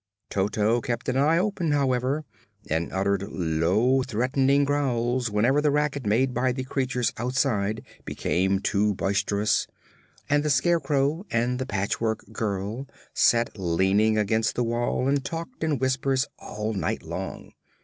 Toto kept an eye open, however, and uttered low, threatening growls whenever the racket made by the creatures outside became too boisterous; and the Scarecrow and the Patchwork Girl sat leaning against the wall and talked in whispers all night long.